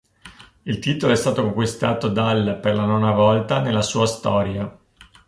Il titolo è stato conquistato dal per la nona volta nella sua storia.